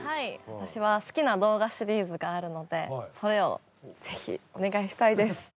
私は好きな動画シリーズがあるのでそれをぜひお願いしたいです。